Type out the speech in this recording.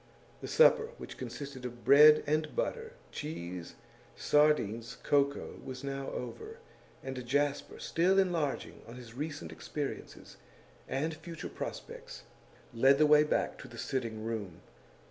The supper which consisted of bread and butter, cheese, sardines, cocoa was now over, and Jasper, still enlarging on his recent experiences and future prospects, led the way back to the sitting room.